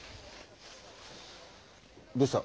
どうした？